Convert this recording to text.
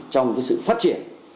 trong sự phát triển